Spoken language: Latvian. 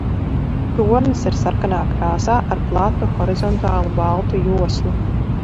Tornis ir sarkanā krāsā ar platu, horizontālu baltu joslu.